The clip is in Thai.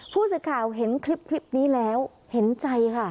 ผู้สื่อข่าวเห็นคลิปนี้แล้วเห็นใจค่ะ